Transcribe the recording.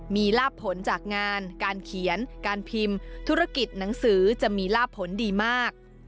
มีลาบผลจากงานการเขียนการพิมพ์ธุรกิจหนังสือจะมีลาบผลดีมาก